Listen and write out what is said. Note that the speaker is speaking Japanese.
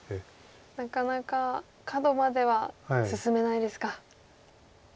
なかなかカドまでは進めないですか。